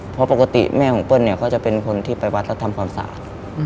เพราะปกติแม่ของเปิ้ลเนี่ยเขาจะเป็นคนที่ไปวัดแล้วทำความสะอาด